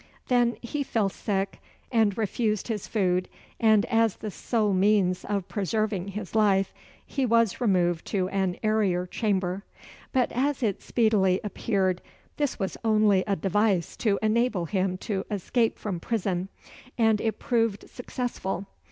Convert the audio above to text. Then he fell sick, and refused his food; and, as the sole means of preserving his life, he was removed to an airier chamber. But as it speedily appeared, this was only a device to enable him to escape from prison, and it proved successful.